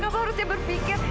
kamu harusnya berpikir